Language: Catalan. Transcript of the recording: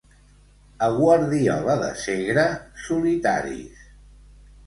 A Guardiola de Segre, solitaris.